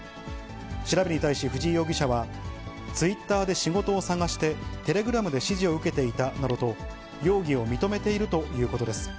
調べに対し、藤井容疑者は、ツイッターで仕事を探して、テレグラムで指示を受けていたなどと、容疑を認めているということです。